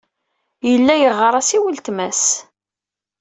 Yella yeɣɣar-as i weltma-s.